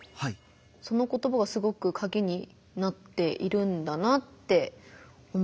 その言葉がすごくカギになっているんだなって思いました。